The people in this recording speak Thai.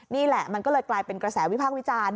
นี่แหละมันก็เลยกลายเป็นกระแสวิพากษ์วิจารณ์